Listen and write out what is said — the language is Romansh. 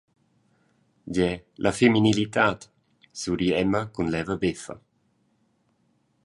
«Gie, la feminilitad», surri Emma cun leva beffa.